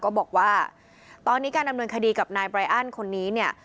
ก็บอกว่าตอนนี้การดำเนินคดีกับนายไรอันคนนี้เนี่ย